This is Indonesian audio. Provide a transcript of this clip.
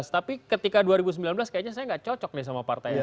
tapi ketika dua ribu sembilan belas kayaknya saya nggak cocok nih sama partai